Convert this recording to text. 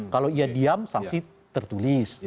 kalau ia diam sanksi tertulis